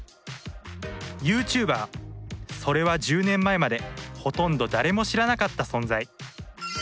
それは１０年前までほとんど誰も知らなかった存在。